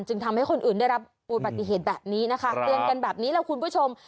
ทำให้คนอื่นได้รับอุบัติเหตุแบบนี้นะคะเตือนกันแบบนี้แล้วคุณผู้ชม